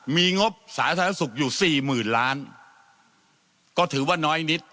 มีงบสาธารณสุขอยู่สี่หมื่นล้านก็ถือว่าน้อยนิด